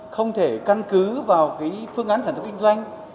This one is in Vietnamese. không thể căn cứ vào phương án sản xuất kinh doanh